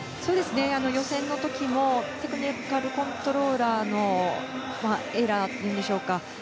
予選の時もテクニカルコントローラーのエラーなんでしょうか。